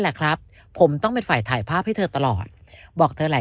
แหละครับผมต้องเป็นฝ่ายถ่ายภาพให้เธอตลอดบอกเธอหลาย